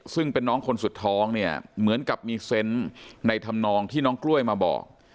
ซึ่งเป็นน้องคนสุดท้องเนี่ยเหมือนกับมีเซนต์ในธรรมนองที่น้องกล้วยมาบอก